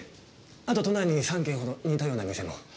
あと都内に３軒ほど似たような店も。